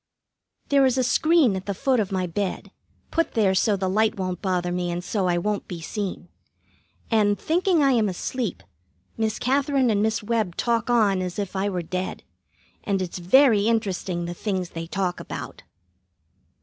There is a screen at the foot of my bed, put there so the light won't bother me and so I won't be seen. And, thinking I am asleep, Miss Katherine and Miss Webb talk on as if I were dead; and it's very interesting the things they talk about.